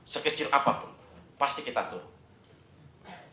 sekecil apapun pasti kita turun